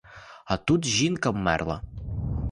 А тут жінка вмерла.